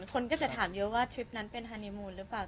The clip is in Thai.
คนก็จะถามเยอะว่าทริปนั้นเป็นฮานีมูลหรือเปล่า